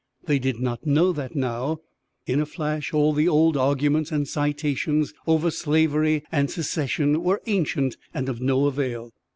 They did not know that now, in a flash, all the old arguments and citations over slavery and secession were ancient and of no avail.